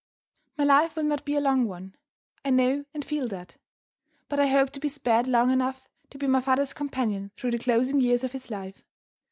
My life will not be a long one I know and feel that. But I hope to be spared long enough to be my father's companion through the closing years of his life.